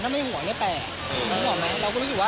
แต่รู้หรอไหมเราก็รู้สึกว่า